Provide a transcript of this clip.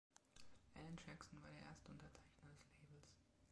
Alan Jackson war der erste Unterzeichner des Labels.